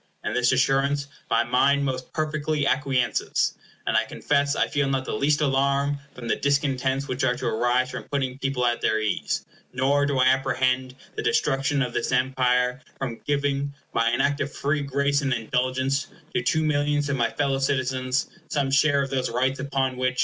In this assurance my mind most perfectly acquiesces, and I confess I feel not the least alarm from the discontents which are to arise from putting people at their ease, nor do I apprehend the destruction of this Empire from giving, by an act of free grace and indulgence, to two millions of my fellow citizens some share of those rights upon which.